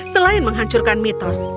selain menghancurkan mitos